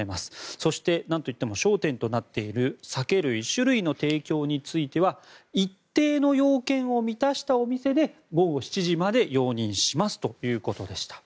そしてなんといっても焦点となっている酒類の提供について一定の要件を満たしたお店で午後７時まで容認しますということでした。